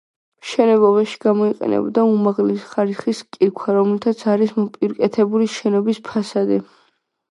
მშენებლობაში გამოიყენებოდა უმაღლესი ხარისხის კირქვა, რომლითაც არის მოპირკეთებული შენობის ფასადი.